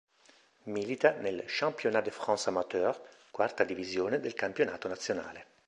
Milita nel "Championnat de France amateur", quarta divisione del campionato nazionale.